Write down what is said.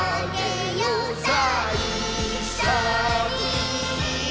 「さぁいっしょに」